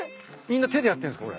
みんな手でやってんすか？